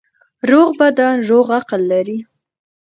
روغ بدن روغ عقل لري.